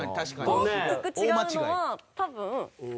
大きく違うのは多分この辺。